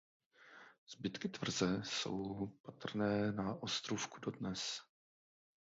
Zbytky tvrze jsou patrné na ostrůvku dodnes.